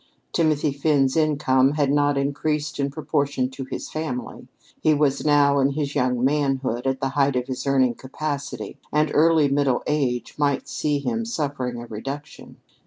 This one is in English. Timothy Finn's income had not increased in proportion to his family. He was now in his young manhood, at the height of his earning capacity, and early middle age might see him suffering a reduction.